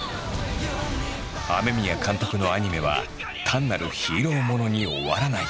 雨宮監督のアニメは単なるヒーローものに終わらない。